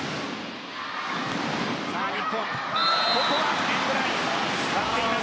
ここはエンドラインを割っています。